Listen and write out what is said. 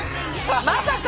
まさか？